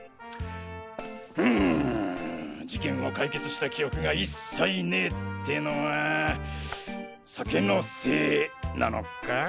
ん事件を解決した記憶が一切ねえってのは酒のせいなのか？